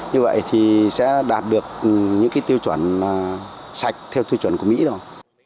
như vậy thì sẽ đạt được những cái tiêu chuẩn sạch theo tiêu chuẩn của mỹ rồi